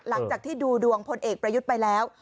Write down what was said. หลังจากที่ดูดวงพลเอกประยุทธ์ไปแล้ว